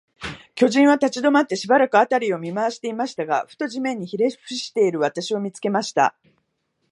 巨人は立ちどまって、しばらく、あたりを見まわしていましたが、ふと、地面にひれふしている私を、見つけました。